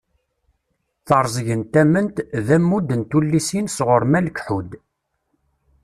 "Terẓeg n tament" d ammud n tullisin sɣur Malek Ḥud.